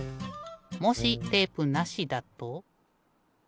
もしテープなしだと。